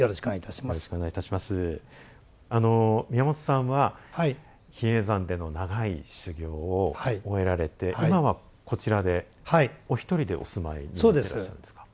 宮本さんは比叡山での長い修行を終えられて今はこちらでお一人でお住まいになってらっしゃるんですか？